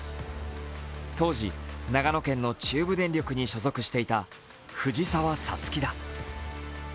当時、長野県の中部電力に所属していた藤澤五月だ。